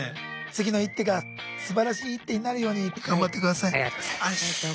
次の１手がすばらしい１手になるように頑張って下さい。